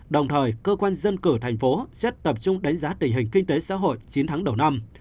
đồng thời cơ quan dân cử thành phố sẽ tập trung đánh giá tình hình kinh tế xã hội chín tháng đầu năm